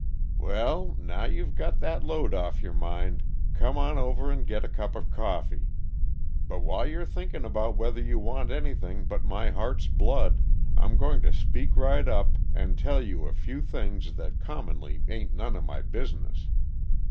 "Well, now you've got that load off your mind, come on over and get a cup of coffee. But while you're thinking about whether you want anything but my heart's blood, I'm going to speak right up and tell you a few things that commonly ain't none of my business.